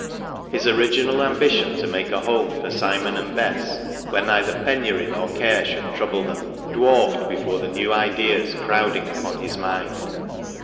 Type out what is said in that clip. His original ambition to make a home for Simon and Bess, where neither penury nor care should trouble them, dwarfed before the new ideas crowding upon his mind.